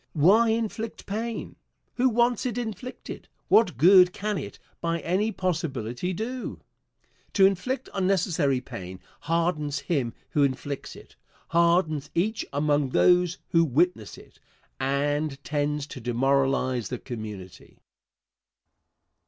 Why inflict pain? Who wants it inflicted? What good can it, by any possibility, do? To inflict unnecessary pain hardens him who inflicts it, hardens each among those who witness it, and tends to demoralize the community.